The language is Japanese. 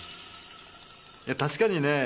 確かにね